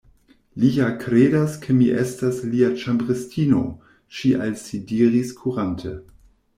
“Li ja kredas ke mi estas lia ĉambristino,” ŝi al si diris, kurante.